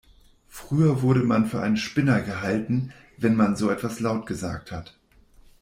Früher wurde man für einen Spinner gehalten, wenn man so etwas laut gesagt hat.